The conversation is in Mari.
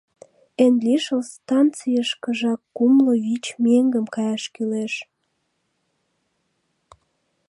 Эн лишыл станцийышкыжак кумло вич меҥгым каяш кӱлеш.